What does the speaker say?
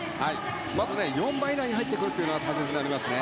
まず４番以内に入ってくることが大切になりますね。